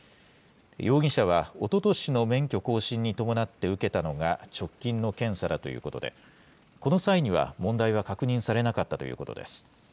容疑者はおととしの免許更新に伴って受けたのが直近の検査だということで、この際には問題は確認されなかったということです。